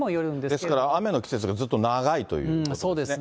ですから、雨の季節がずっと長いということですね。